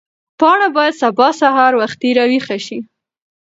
پاڼه باید سبا سهار وختي راویښه شي.